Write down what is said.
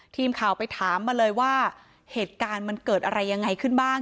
ทีมข่าวไปถามมาเลยว่าเหตุการณ์มันเกิดอะไรยังไงขึ้นบ้าง